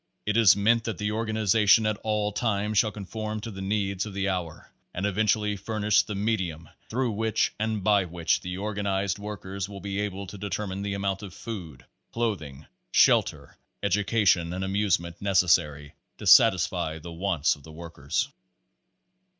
It is meant that the organiza tion at all times shall conform to the needs of the hour and eventually furnish the medium through which and by which the organized workers will be able to deter mine the amount of food, clothing, shelter, education and amusement necessary to satisfy the wants of the workers.